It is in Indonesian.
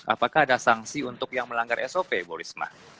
apakah ada sanksi untuk yang melanggar sop bu risma